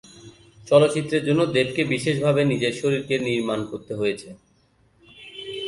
চলচ্চিত্রের জন্য দেবকে বিশেষভাবে নিজের শরীরকে নির্মাণ করতে হয়েছে।